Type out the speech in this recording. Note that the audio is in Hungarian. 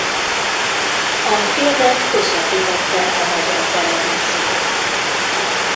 A filmet közvetítette a Magyar Televízió.